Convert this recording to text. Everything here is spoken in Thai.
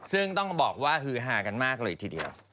ซึ่งต้องบอกว่าฮือฮากันมากเลยทีเดียว